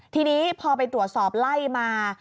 ทีนี้พอไปตรวจสอบไล่มา